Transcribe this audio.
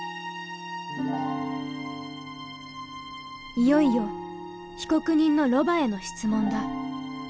いよいよ被告人のロバへの質問だ。